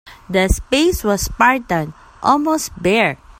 The space was spartan, almost bare.